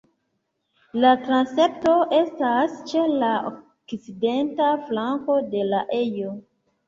La transepto estas ĉe la okcidenta flanko de la ejo.